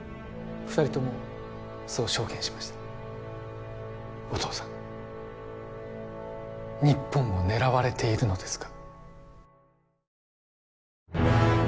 ２人ともそう証言しましたお父さん日本を狙われているのですか？